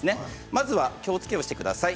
まずは気をつけをしてください。